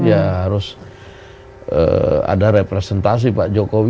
ya harus ada representasi pak jokowi